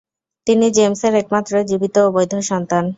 তিনি জেমস এর একমাত্র জীবিত ও বৈধ সন্তান।